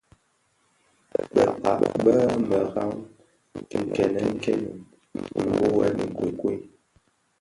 Bekpag bi meraň nkènèn kènèn mböghèn nkokuei.